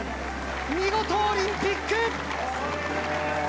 見事オリンピック。